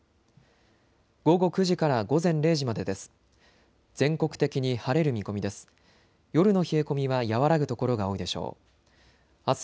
午後９時から午前０時までです。